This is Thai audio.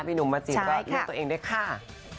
หนุ่มมาจีบก็เลือกตัวเองด้วยค่ะ